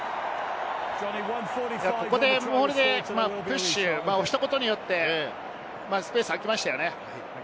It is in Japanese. ここでモールでプッシュ、押したことによってスペースが空きましたよね。